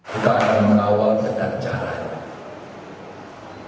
kita akan mengawal sedang caranya